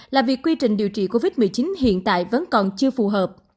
là việc quy trình điều trị covid một mươi chín hiện tại vẫn còn chưa phù hợp